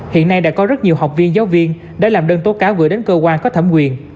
hiện nay đã có rất nhiều học viên giáo viên đã làm đơn tố cáo gửi đến cơ quan có thẩm quyền